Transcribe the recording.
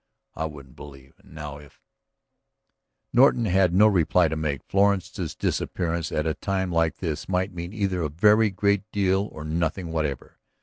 I wouldn't believe. And now, if ..." Norton had no reply to make. Florence's disappearance at a time like this might mean either a very great deal or nothing whatever.